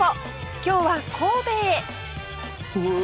今日は神戸へ！